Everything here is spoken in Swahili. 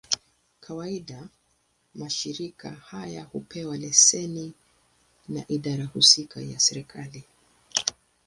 Kawaida, mashirika haya hupewa leseni na idara husika ya serikali.